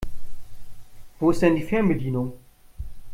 Wo ist denn die Fernbedienung?